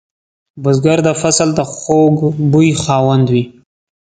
بزګر د فصل د خوږ بوی خاوند وي